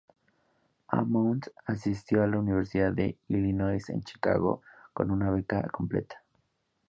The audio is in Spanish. Hammond asistió a la Universidad de Illinois en Chicago con una beca completa.